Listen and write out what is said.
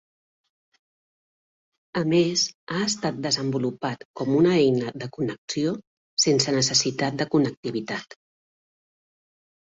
A més ha estat desenvolupat com una eina de connexió sense necessitat de connectivitat.